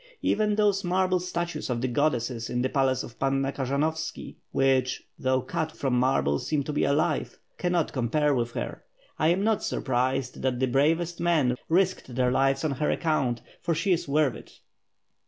Even those marble statues of the goddesses in the palace of Panna Kaz anovski, which, though cut from marble, seem to be alive, cannot compare with her. I am not surprised that the bravest men risked their lives on her account, for ^he is wori;h it."